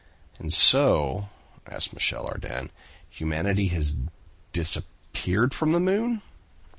"And so," asked Michel Ardan, "humanity has disappeared from the moon?"